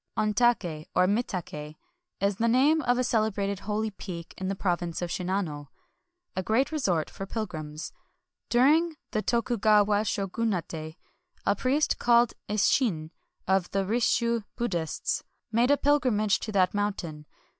Ontake, or Mitak^, is the name of a celebrated holy peak in the province of Shinano — a great resort for pilgrims. During the Tokugawa Shogunate, a priest called Isshin, of the Risshu Buddhists, made a pilgrimage to that moun tain.